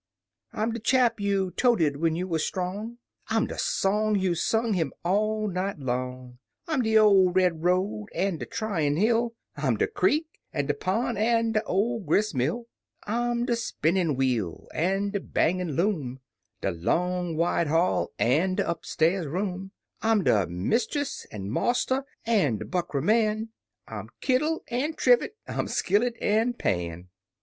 " I'm de chap you toted when you wuz strong; I'm de song you sung him all night long; I'm de ol' red road an' de tryin' hill; I'm de creek an' de pen' an' de ol' gris' mill; I'm de spinnin' wheel an' de bangin' loom, De long, wide hall an" de upstairs room; I'm Mistiss an' Marster an' de Buckra man; I'm kittle an' trivet, I'm skillet an' pan.